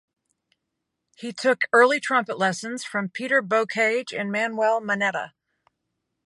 He took early trumpet lessons from Peter Bocage and Manuel Manetta.